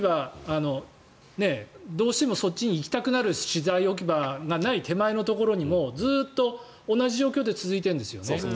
どうしてもそっちに行きたくなる資材置き場がない手前のところにもずっと同じ状況で続いてるんですよね。